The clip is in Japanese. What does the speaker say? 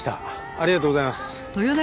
ありがとうございます。